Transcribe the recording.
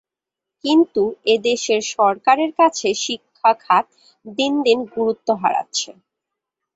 কিন্তু এ দেশের সরকারের কাছে শিক্ষা খাত দিন দিন গুরুত্ব হারাচ্ছে।